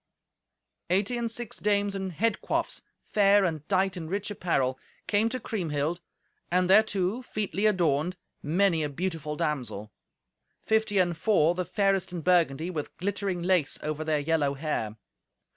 Eighty and six dames in head coifs, fair, and dight in rich apparel, came to Kriemhild, and thereto, featly adorned, many a beautiful damsel; fifty and four, the fairest in Burgundy, with glittering lace over their yellow hair.